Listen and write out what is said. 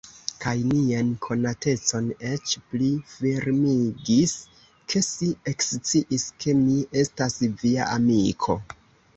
Kaj nian konatecon eĉ pli firmigis, ke si eksciis, ke mi estas Via amiko!